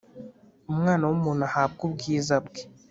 Umwana w umuntu ahabwe ubwiza bwe